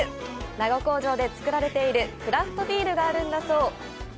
名護工場で造られているクラフトビールがあるんだそう。